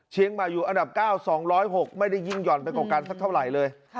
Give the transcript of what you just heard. เชียงใหม่อยู่อันดับ๙๒๐๖ไม่ได้ยิ่งห่อนไปกว่ากันสักเท่าไหร่เลย